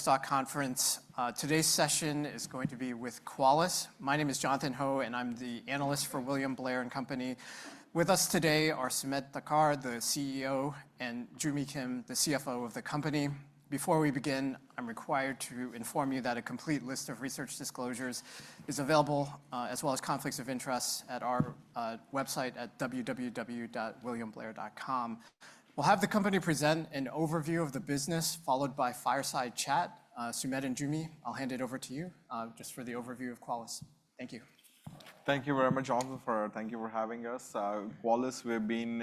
SAC Conference. Today's session is going to be with Qualys. My name is Jonathan Ho, and I'm the analyst for William Blair & Company. With us today are Sumedh Thakar, the CEO, and Joo Mi Kim, the CFO of the company. Before we begin, I'm required to inform you that a complete list of research disclosures is available, as well as conflicts of interest, at our website at www.williamblair.com. We'll have the company present an overview of the business, followed by fireside chat. Sumedh and Joo Mi, I'll hand it over to you just for the overview of Qualys. Thank you. Thank you very much, Jonathan. Thank you for having us. Qualys, we've been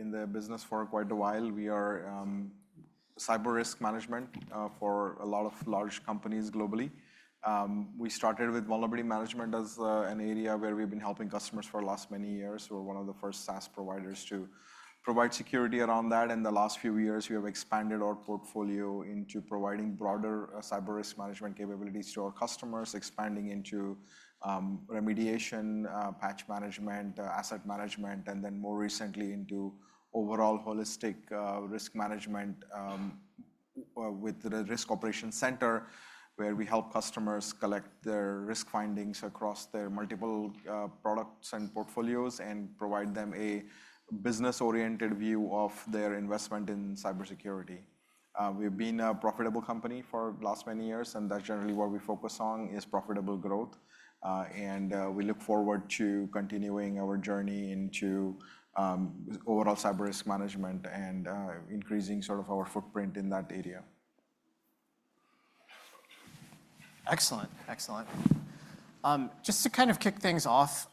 in the business for quite a while. We are cyber risk management for a lot of large companies globally. We started with vulnerability management as an area where we've been helping customers for the last many years. We're one of the first SaaS providers to provide security around that. In the last few years, we have expanded our portfolio into providing broader cyber risk management capabilities to our customers, expanding into remediation, patch management, asset management, and then more recently into overall holistic risk management with the Risk Operations Center, where we help customers collect their risk findings across their multiple products and portfolios and provide them a business-oriented view of their investment in cybersecurity. We've been a profitable company for the last many years, and that's generally what we focus on is profitable growth. We look forward to continuing our journey into overall cyber risk management and increasing sort of our footprint in that area. Excellent. Excellent. Just to kind of kick things off,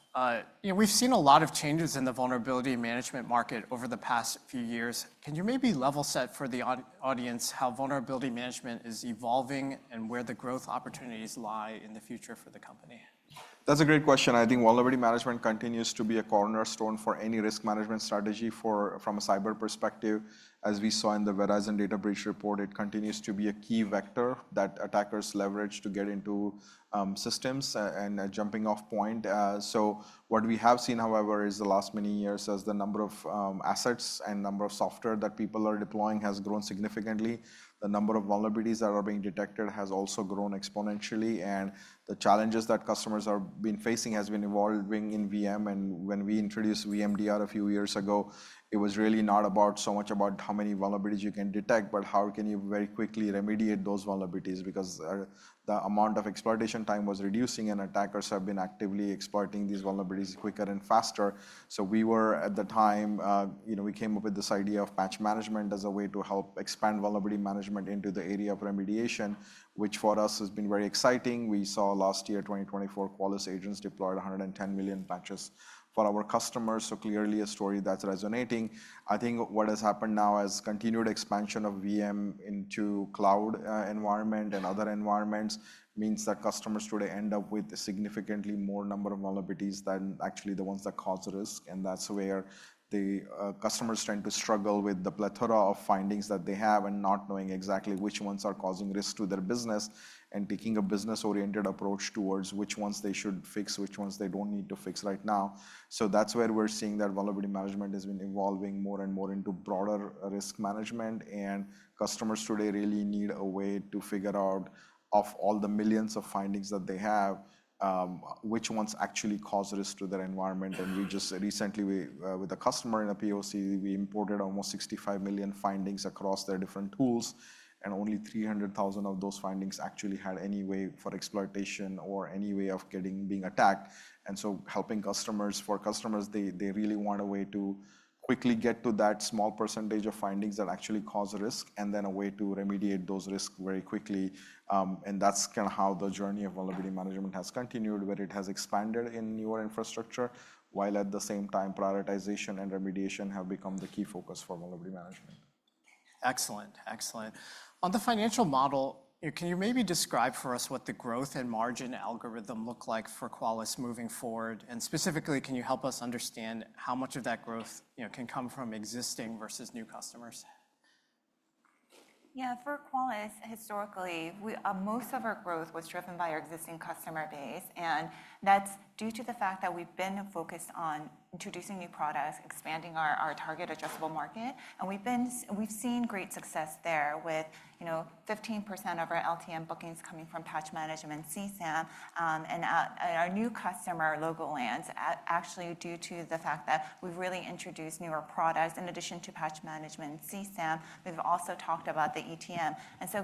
we've seen a lot of changes in the vulnerability management market over the past few years. Can you maybe level set for the audience how vulnerability management is evolving and where the growth opportunities lie in the future for the company? That's a great question. I think vulnerability management continues to be a cornerstone for any risk management strategy from a cyber perspective. As we saw in the Verizon Data Breach Investigations Report, it continues to be a key vector that attackers leverage to get into systems and a jumping-off point. What we have seen, however, is the last many years as the number of assets and number of software that people are deploying has grown significantly. The number of vulnerabilities that are being detected has also grown exponentially. The challenges that customers have been facing have been evolving in VM. When we introduced VMDR a few years ago, it was really not so much about how many vulnerabilities you can detect, but how you can very quickly remediate those vulnerabilities because the amount of exploitation time was reducing and attackers have been actively exploiting these vulnerabilities quicker and faster. We were, at the time, we came up with this idea of Patch Management as a way to help expand vulnerability management into the area of remediation, which for us has been very exciting. We saw last year, 2024, Qualys agents deployed 110 million patches for our customers. Clearly, a story that's resonating. I think what has happened now is continued expansion of VM into cloud environment and other environments means that customers today end up with a significantly more number of vulnerabilities than actually the ones that cause risk. That's where the customers tend to struggle with the plethora of findings that they have and not knowing exactly which ones are causing risk to their business and taking a business-oriented approach towards which ones they should fix, which ones they don't need to fix right now. That's where we're seeing that vulnerability management has been evolving more and more into broader risk management. Customers today really need a way to figure out, of all the millions of findings that they have, which ones actually cause risk to their environment. We just recently, with a customer in a POC, imported almost 65 million findings across their different tools, and only 300,000 of those findings actually had any way for exploitation or any way of being attacked. Helping customers, for customers, they really want a way to quickly get to that small percentage of findings that actually cause risk and then a way to remediate those risks very quickly. That is kind of how the journey of vulnerability management has continued, where it has expanded in newer infrastructure, while at the same time, prioritization and remediation have become the key focus for vulnerability management. Excellent. Excellent. On the financial model, can you maybe describe for us what the growth and margin algorithm look like for Qualys moving forward? Specifically, can you help us understand how much of that growth can come from existing versus new customers? Yeah. For Qualys, historically, most of our growth was driven by our existing customer base. That's due to the fact that we've been focused on introducing new products, expanding our target addressable market. We've seen great success there with 15% of our LTM bookings coming from Patch Management, CSAM. Our new customer, Logoland, actually due to the fact that we've really introduced newer products in addition to Patch Management, CSAM, we've also talked about the ETM.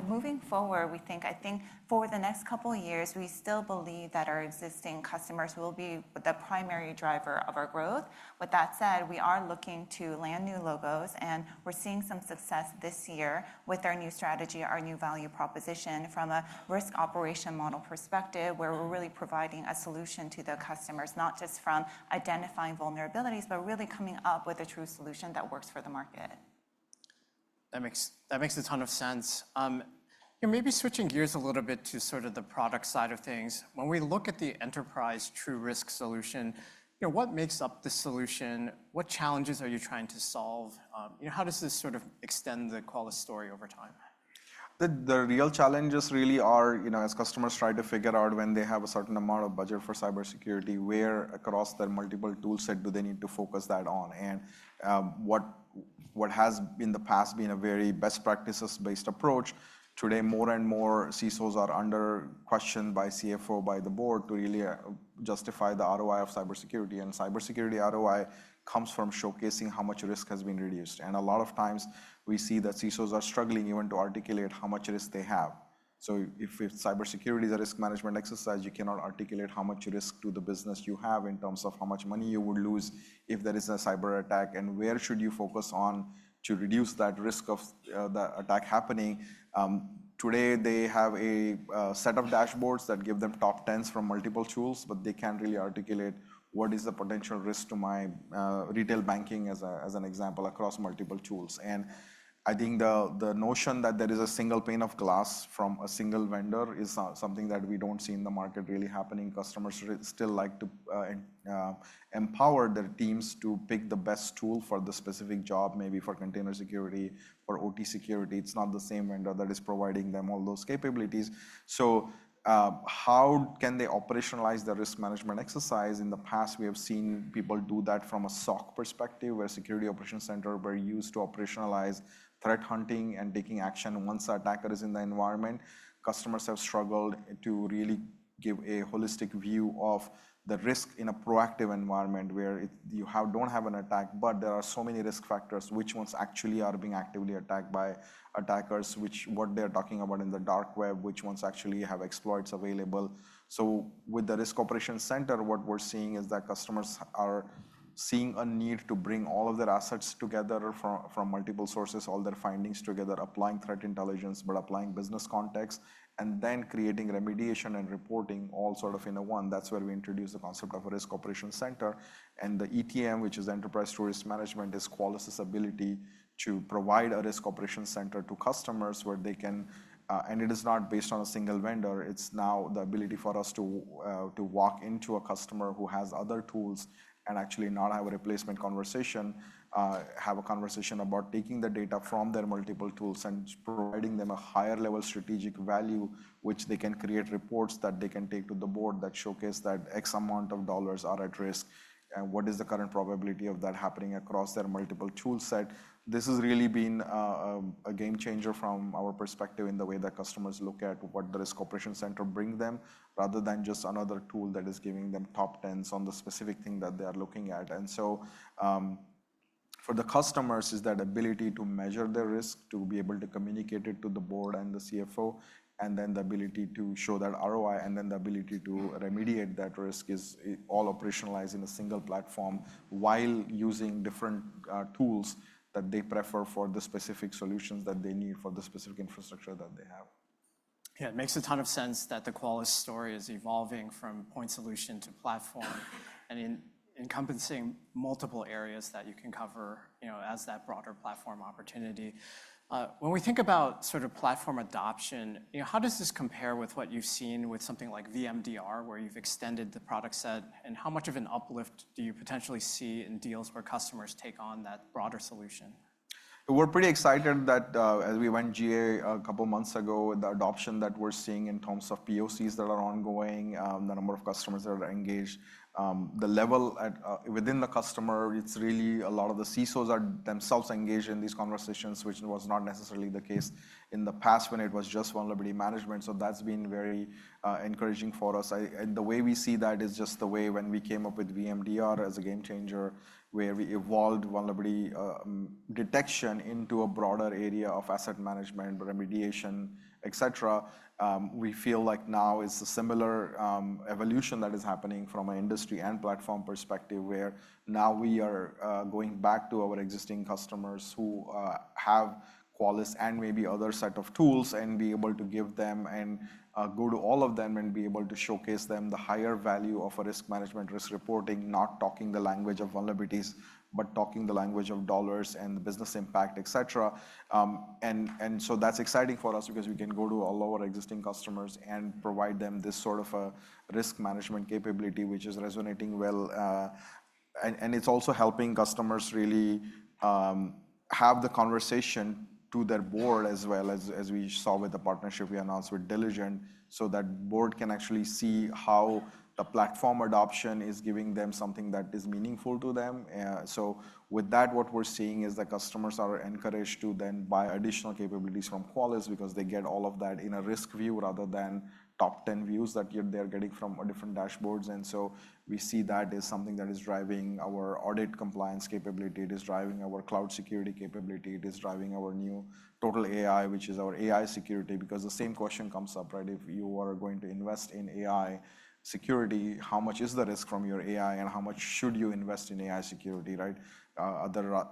Moving forward, we think, I think for the next couple of years, we still believe that our existing customers will be the primary driver of our growth. With that said, we are looking to land new logos, and we're seeing some success this year with our new strategy, our new value proposition from a risk operation model perspective, where we're really providing a solution to the customers, not just from identifying vulnerabilities, but really coming up with a true solution that works for the market. That makes a ton of sense. Maybe switching gears a little bit to sort of the product side of things. When we look at the Enterprise TruRisk solution, what makes up the solution? What challenges are you trying to solve? How does this sort of extend the Qualys story over time? The real challenges really are, as customers try to figure out when they have a certain amount of budget for cybersecurity, where across their multiple toolset do they need to focus that on? What has in the past been a very best practices-based approach, today more and more CSOs are under question by CFO, by the board to really justify the ROI of cybersecurity. Cybersecurity ROI comes from showcasing how much risk has been reduced. A lot of times, we see that CSOs are struggling even to articulate how much risk they have. If cybersecurity is a risk management exercise, you cannot articulate how much risk to the business you have in terms of how much money you would lose if there is a cyber attack and where should you focus on to reduce that risk of the attack happening. Today, they have a set of dashboards that give them top 10s from multiple tools, but they can't really articulate what is the potential risk to my retail banking, as an example, across multiple tools. I think the notion that there is a single pane of glass from a single vendor is something that we don't see in the market really happening. Customers still like to empower their teams to pick the best tool for the specific job, maybe for container security, for OT security. It's not the same vendor that is providing them all those capabilities. How can they operationalize the risk management exercise? In the past, we have seen people do that from a SOC perspective, where Security Operations Center were used to operationalize threat hunting and taking action once an attacker is in the environment. Customers have struggled to really give a holistic view of the risk in a proactive environment where you do not have an attack, but there are so many risk factors. Which ones actually are being actively attacked by attackers? What they are talking about in the dark web? Which ones actually have exploits available? With the Risk Operations Center, what we are seeing is that customers are seeing a need to bring all of their assets together from multiple sources, all their findings together, applying threat intelligence, but applying business context, and then creating remediation and reporting all sort of in one. That is where we introduce the concept of a Risk Operations Center. The ETM, which is Enterprise TruRisk Management, is Qualys' ability to provide a Risk Operations Center to customers where they can, and it is not based on a single vendor. It's now the ability for us to walk into a customer who has other tools and actually not have a replacement conversation, have a conversation about taking the data from their multiple tools and providing them a higher-level strategic value, which they can create reports that they can take to the board that showcase that X amount of dollars are at risk. What is the current probability of that happening across their multiple toolset? This has really been a game changer from our perspective in the way that customers look at what the Risk Operations Center brings them, rather than just another tool that is giving them top 10s on the specific thing that they are looking at. For the customers, it's that ability to measure their risk, to be able to communicate it to the board and the CFO, and then the ability to show that ROI, and then the ability to remediate that risk is all operationalized in a single platform while using different tools that they prefer for the specific solutions that they need for the specific infrastructure that they have. Yeah. It makes a ton of sense that the Qualys story is evolving from point solution to platform and encompassing multiple areas that you can cover as that broader platform opportunity. When we think about sort of platform adoption, how does this compare with what you've seen with something like VMDR, where you've extended the product set? How much of an uplift do you potentially see in deals where customers take on that broader solution? We're pretty excited that as we went GA a couple of months ago, the adoption that we're seeing in terms of POCs that are ongoing, the number of customers that are engaged, the level within the customer, it's really a lot of the CSOs are themselves engaged in these conversations, which was not necessarily the case in the past when it was just vulnerability management. That has been very encouraging for us. The way we see that is just the way when we came up with VMDR as a game changer, where we evolved vulnerability detection into a broader area of asset management, remediation, et cetera. We feel like now is a similar evolution that is happening from an industry and platform perspective, where now we are going back to our existing customers who have Qualys and maybe other set of tools and be able to give them and go to all of them and be able to showcase them the higher value of a risk management risk reporting, not talking the language of vulnerabilities, but talking the language of dollars and the business impact, et cetera. That is exciting for us because we can go to all of our existing customers and provide them this sort of a risk management capability, which is resonating well. It is also helping customers really have the conversation to their board as well, as we saw with the partnership we announced with Diligent, so that board can actually see how the platform adoption is giving them something that is meaningful to them. With that, what we're seeing is that customers are encouraged to then buy additional capabilities from Qualys because they get all of that in a risk view rather than top 10 views that they're getting from different dashboards. We see that is something that is driving our audit compliance capability. It is driving our cloud security capability. It is driving our new TotalAI, which is our AI security. Because the same question comes up, right? If you are going to invest in AI security, how much is the risk from your AI, and how much should you invest in AI security, right?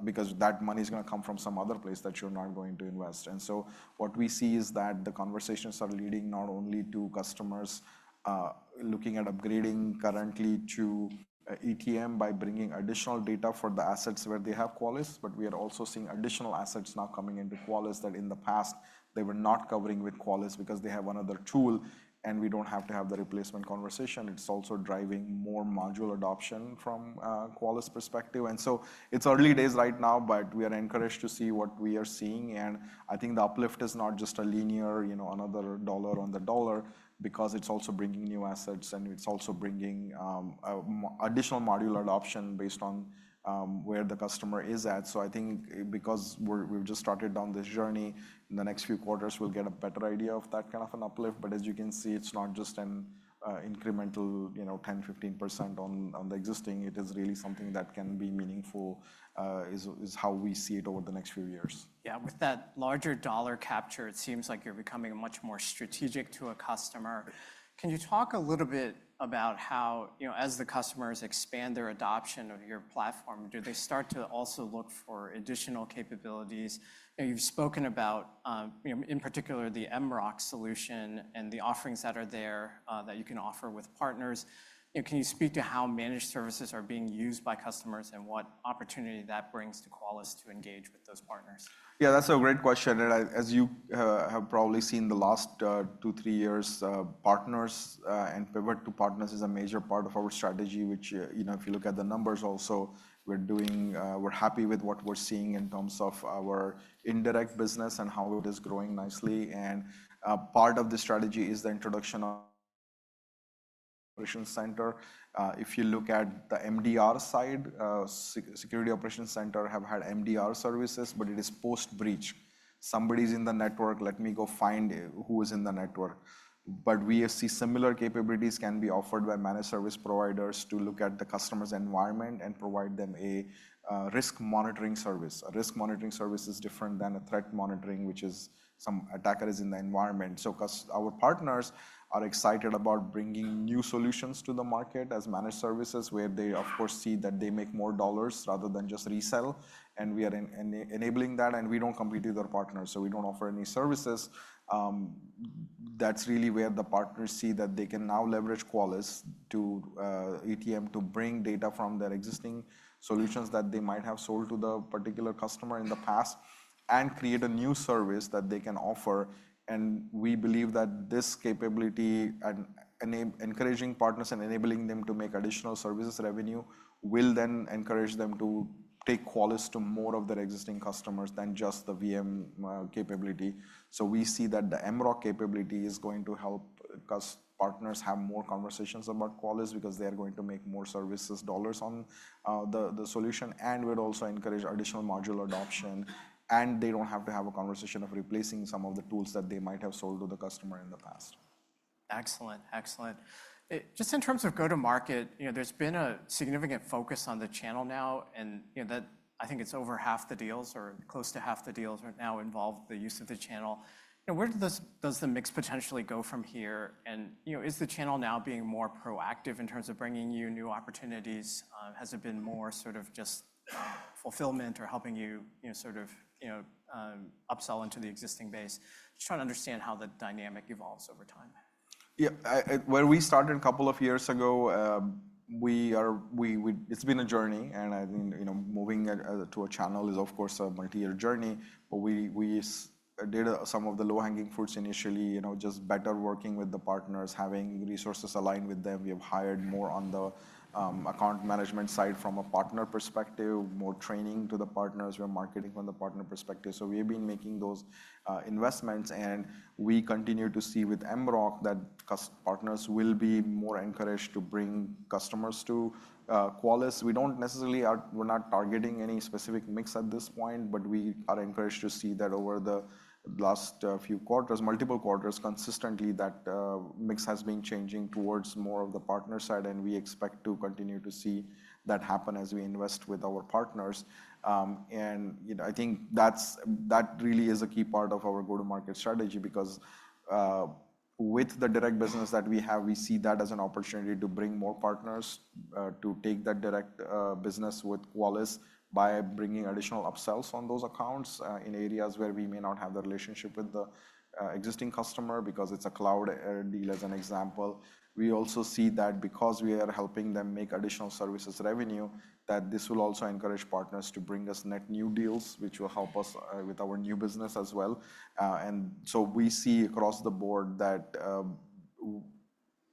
Because that money is going to come from some other place that you're not going to invest. What we see is that the conversations are leading not only to customers looking at upgrading currently to ETM by bringing additional data for the assets where they have Qualys, but we are also seeing additional assets now coming into Qualys that in the past they were not covering with Qualys because they have another tool, and we do not have to have the replacement conversation. It is also driving more module adoption from Qualys' perspective. It is early days right now, but we are encouraged to see what we are seeing. I think the uplift is not just a linear, another dollar on the dollar, because it is also bringing new assets, and it is also bringing additional module adoption based on where the customer is at. I think because we've just started down this journey, in the next few quarters, we'll get a better idea of that kind of an uplift. As you can see, it's not just an incremental 10%-15% on the existing. It is really something that can be meaningful, is how we see it over the next few years. Yeah. With that larger dollar capture, it seems like you're becoming much more strategic to a customer. Can you talk a little bit about how, as the customers expand their adoption of your platform, do they start to also look for additional capabilities? You've spoken about, in particular, the MROC solution and the offerings that are there that you can offer with partners. Can you speak to how managed services are being used by customers and what opportunity that brings to Qualys to engage with those partners? Yeah, that's a great question. As you have probably seen the last two, three years, partners and pivot to partners is a major part of our strategy, which if you look at the numbers also, we're happy with what we're seeing in terms of our indirect business and how it is growing nicely. Part of the strategy is the introduction of Operations Center. If you look at the MDR side, Security Operations Center have had MDR services, but it is post breach. Somebody's in the network. Let me go find who is in the network. We see similar capabilities can be offered by managed service providers to look at the customer's environment and provide them a risk monitoring service. A risk monitoring service is different than a threat monitoring, which is some attacker is in the environment. Our partners are excited about bringing new solutions to the market as managed services, where they, of course, see that they make more dollars rather than just resell. We are enabling that, and we do not compete with our partners. We do not offer any services. That is really where the partners see that they can now leverage Qualys to ETM to bring data from their existing solutions that they might have sold to the particular customer in the past and create a new service that they can offer. We believe that this capability and encouraging partners and enabling them to make additional services revenue will then encourage them to take Qualys to more of their existing customers than just the VM capability. We see that the MROC capability is going to help partners have more conversations about Qualys because they are going to make more services dollars on the solution. We'd also encourage additional module adoption, and they don't have to have a conversation of replacing some of the tools that they might have sold to the customer in the past. Excellent. Excellent. Just in terms of go-to-market, there's been a significant focus on the channel now, and I think it's over half the deals or close to half the deals right now involve the use of the channel. Where does the mix potentially go from here? Is the channel now being more proactive in terms of bringing you new opportunities? Has it been more sort of just fulfillment or helping you sort of upsell into the existing base? Just trying to understand how the dynamic evolves over time. Yeah. When we started a couple of years ago, it's been a journey. I think moving to a channel is, of course, a multi-year journey. We did some of the low-hanging fruits initially, just better working with the partners, having resources aligned with them. We have hired more on the account management side from a partner perspective, more training to the partners. We're marketing from the partner perspective. We have been making those investments. We continue to see with MROC that partners will be more encouraged to bring customers to Qualys. We do not necessarily—we're not targeting any specific mix at this point, but we are encouraged to see that over the last few quarters, multiple quarters, consistently, that mix has been changing towards more of the partner side. We expect to continue to see that happen as we invest with our partners. I think that really is a key part of our go-to-market strategy because with the direct business that we have, we see that as an opportunity to bring more partners to take that direct business with Qualys by bringing additional upsells on those accounts in areas where we may not have the relationship with the existing customer because it's a cloud deal, as an example. We also see that because we are helping them make additional services revenue, this will also encourage partners to bring us net new deals, which will help us with our new business as well. We see across the board that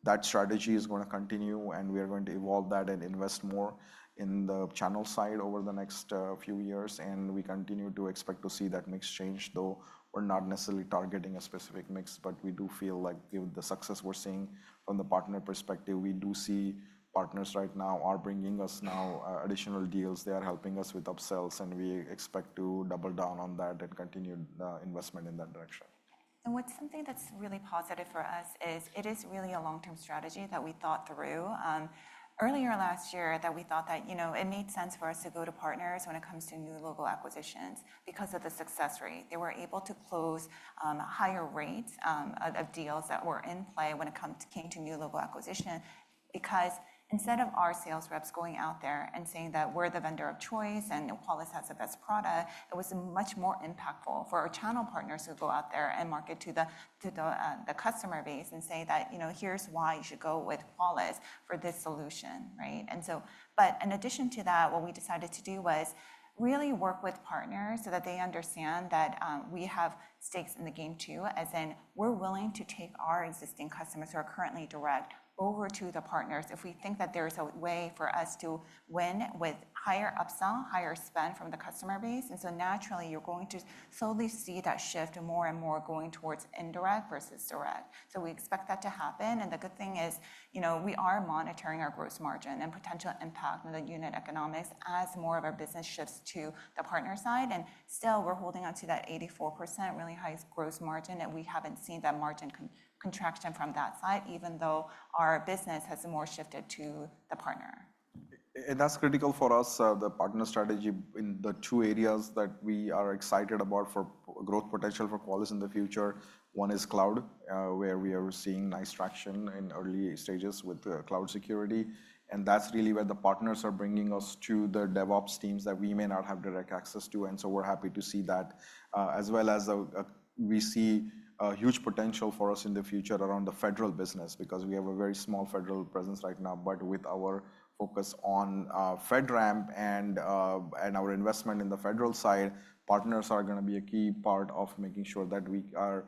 that strategy is going to continue, and we are going to evolve that and invest more in the channel side over the next few years. We continue to expect to see that mix change, though we're not necessarily targeting a specific mix. We do feel like given the success we're seeing from the partner perspective, we do see partners right now are bringing us now additional deals. They are helping us with upsells, and we expect to double down on that and continue investment in that direction. What's something that's really positive for us is it is really a long-term strategy that we thought through earlier last year that we thought that it made sense for us to go to partners when it comes to new local acquisitions because of the success rate. They were able to close higher rates of deals that were in play when it came to new local acquisition because instead of our sales reps going out there and saying that we're the vendor of choice and Qualys has the best product, it was much more impactful for our channel partners to go out there and market to the customer base and say that here's why you should go with Qualys for this solution, right? In addition to that, what we decided to do was really work with partners so that they understand that we have stakes in the game too, as in we're willing to take our existing customers who are currently direct over to the partners if we think that there is a way for us to win with higher upsell, higher spend from the customer base. Naturally, you're going to slowly see that shift more and more going towards indirect versus direct. We expect that to happen. The good thing is we are monitoring our gross margin and potential impact on the unit economics as more of our business shifts to the partner side. We're holding on to that 84% really high gross margin, and we haven't seen that margin contraction from that side, even though our business has more shifted to the partner. That is critical for us, the partner strategy in the two areas that we are excited about for growth potential for Qualys in the future. One is cloud, where we are seeing nice traction in early stages with cloud security. That is really where the partners are bringing us to the DevOps teams that we may not have direct access to. We are happy to see that, as well as we see a huge potential for us in the future around the federal business because we have a very small federal presence right now. With our focus on FedRAMP and our investment in the federal side, partners are going to be a key part of making sure that we are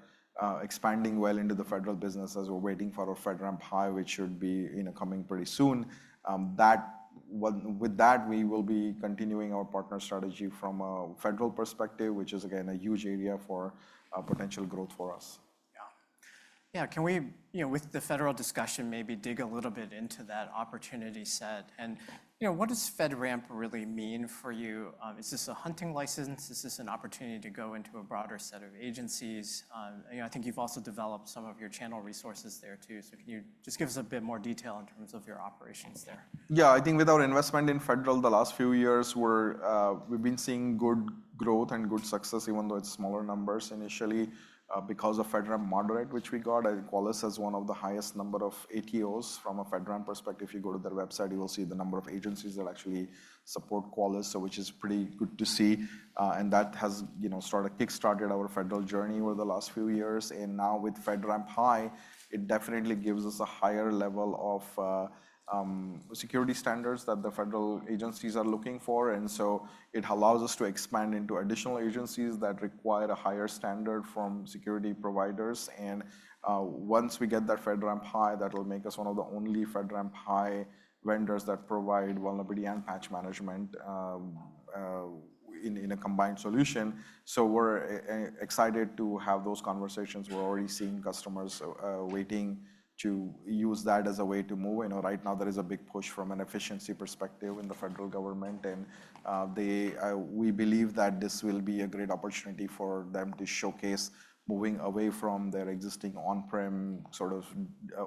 expanding well into the federal business as we are waiting for our FedRAMP hire, which should be coming pretty soon. With that, we will be continuing our partner strategy from a federal perspective, which is, again, a huge area for potential growth for us. Yeah. Yeah. Can we, with the federal discussion, maybe dig a little bit into that opportunity set? And what does FedRAMP really mean for you? Is this a hunting license? Is this an opportunity to go into a broader set of agencies? I think you've also developed some of your channel resources there too. So can you just give us a bit more detail in terms of your operations there? Yeah. I think with our investment in federal the last few years, we've been seeing good growth and good success, even though it's smaller numbers initially. Because of FedRAMP moderate, which we got, Qualys has one of the highest number of ATOs. From a FedRAMP perspective, if you go to their website, you will see the number of agencies that actually support Qualys, which is pretty good to see. That has kickstarted our federal journey over the last few years. Now with FedRAMP high, it definitely gives us a higher level of security standards that the federal agencies are looking for. It allows us to expand into additional agencies that require a higher standard from security providers. Once we get that FedRAMP high, that will make us one of the only FedRAMP high vendors that provide vulnerability and patch management in a combined solution. We're excited to have those conversations. We're already seeing customers waiting to use that as a way to move. Right now, there is a big push from an efficiency perspective in the federal government. We believe that this will be a great opportunity for them to showcase moving away from their existing on-prem sort of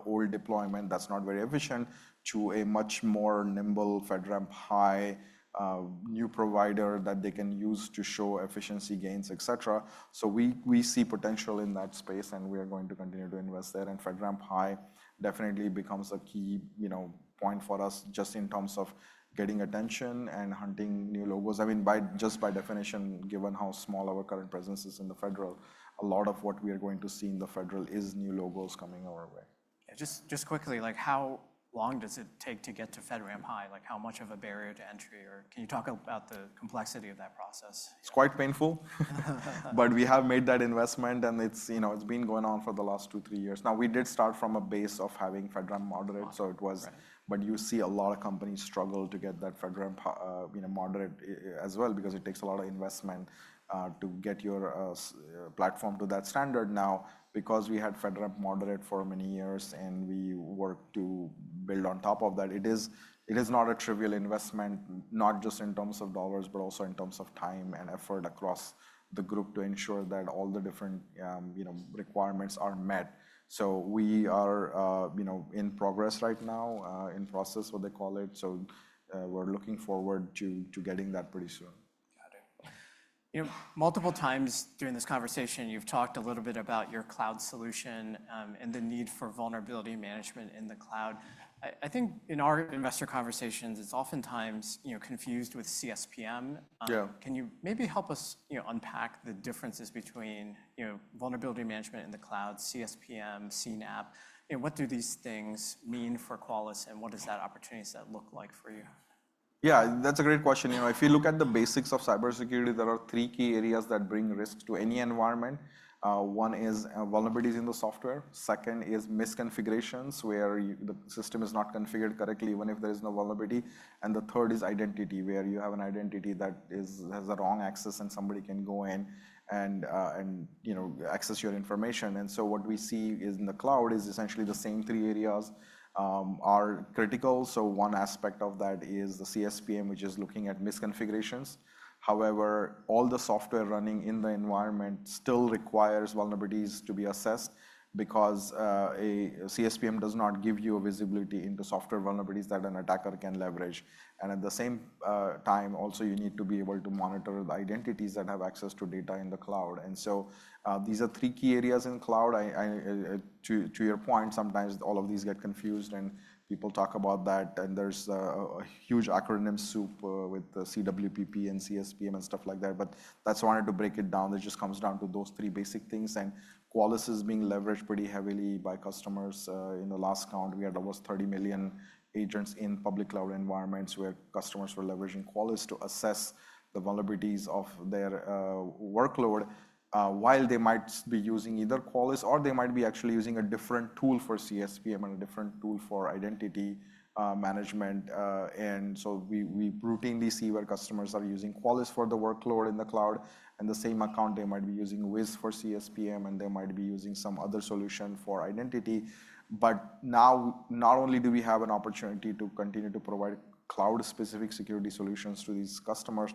old deployment that's not very efficient to a much more nimble FedRAMP high new provider that they can use to show efficiency gains, et cetera. We see potential in that space, and we are going to continue to invest there. FedRAMP high definitely becomes a key point for us just in terms of getting attention and hunting new logos. I mean, just by definition, given how small our current presence is in the federal, a lot of what we are going to see in the federal is new logos coming our way. Just quickly, how long does it take to get to FedRAMP high? How much of a barrier to entry? Or can you talk about the complexity of that process? It's quite painful, but we have made that investment, and it's been going on for the last two, three years. Now, we did start from a base of having FedRAMP moderate, so it was. You see a lot of companies struggle to get that FedRAMP moderate as well because it takes a lot of investment to get your platform to that standard. Now, because we had FedRAMP moderate for many years and we worked to build on top of that, it is not a trivial investment, not just in terms of dollars, but also in terms of time and effort across the group to ensure that all the different requirements are met. We are in progress right now, in process, what they call it. We're looking forward to getting that pretty soon. Got it. Multiple times during this conversation, you've talked a little bit about your cloud solution and the need for vulnerability management in the cloud. I think in our investor conversations, it's oftentimes confused with CSPM. Can you maybe help us unpack the differences between vulnerability management in the cloud, CSPM, CNAPP? What do these things mean for Qualys, and what does that opportunity set look like for you? Yeah, that's a great question. If you look at the basics of cybersecurity, there are three key areas that bring risks to any environment. One is vulnerabilities in the software. Second is misconfigurations where the system is not configured correctly, even if there is no vulnerability. The third is identity, where you have an identity that has the wrong access, and somebody can go in and access your information. What we see in the cloud is essentially the same three areas are critical. One aspect of that is the CSPM, which is looking at misconfigurations. However, all the software running in the environment still requires vulnerabilities to be assessed because a CSPM does not give you visibility into software vulnerabilities that an attacker can leverage. At the same time, also, you need to be able to monitor the identities that have access to data in the cloud. These are three key areas in cloud. To your point, sometimes all of these get confused, and people talk about that. There's a huge acronym soup with CWPP and CSPM and stuff like that. That's why I wanted to break it down. It just comes down to those three basic things. Qualys is being leveraged pretty heavily by customers. In the last count, we had almost 30 million agents in public cloud environments where customers were leveraging Qualys to assess the vulnerabilities of their workload while they might be using either Qualys, or they might be actually using a different tool for CSPM and a different tool for identity management. We routinely see where customers are using Qualys for the workload in the cloud. In the same account, they might be using Wiz for CSPM, and they might be using some other solution for identity. Now, not only do we have an opportunity to continue to provide cloud-specific security solutions to these customers,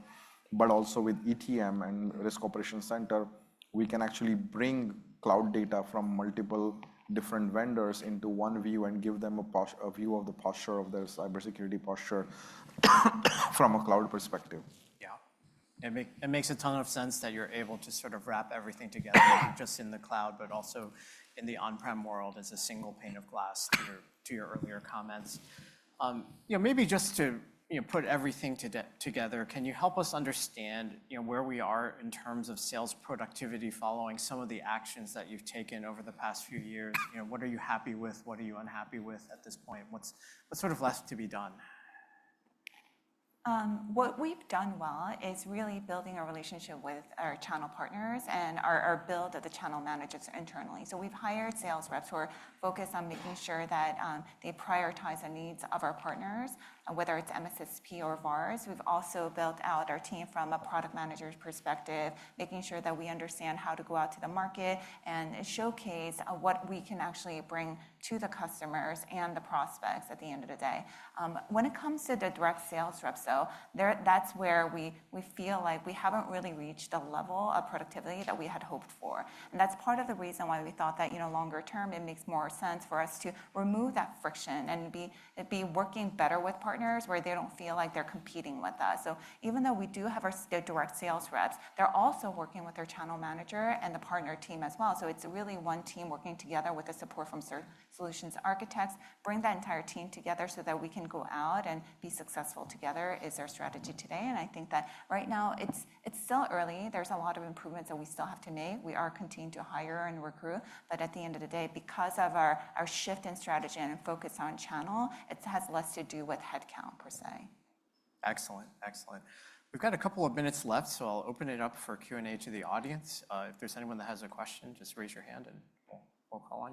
but also with ETM and Risk Operations Center, we can actually bring cloud data from multiple different vendors into one view and give them a view of the posture of their cybersecurity posture from a cloud perspective. Yeah. It makes a ton of sense that you're able to sort of wrap everything together, not just in the cloud, but also in the on-prem world as a single pane of glass to your earlier comments. Maybe just to put everything together, can you help us understand where we are in terms of sales productivity following some of the actions that you've taken over the past few years? What are you happy with? What are you unhappy with at this point? What's sort of left to be done? What we've done well is really building our relationship with our channel partners and our build of the channel managers internally. We have hired sales reps who are focused on making sure that they prioritize the needs of our partners, whether it's MSSP or VARS. We have also built out our team from a product manager's perspective, making sure that we understand how to go out to the market and showcase what we can actually bring to the customers and the prospects at the end of the day. When it comes to the direct sales reps, though, that's where we feel like we haven't really reached the level of productivity that we had hoped for. That is part of the reason why we thought that longer term, it makes more sense for us to remove that friction and be working better with partners where they do not feel like they are competing with us. Even though we do have our direct sales reps, they are also working with their channel manager and the partner team as well. It is really one team working together with the support from certain solutions architects, bringing that entire team together so that we can go out and be successful together is our strategy today. I think that right now, it is still early. There are a lot of improvements that we still have to make. We are continuing to hire and recruit. At the end of the day, because of our shift in strategy and focus on channel, it has less to do with headcount per se. Excellent. Excellent. We've got a couple of minutes left, so I'll open it up for Q&A to the audience. If there's anyone that has a question, just raise your hand, and we'll call on.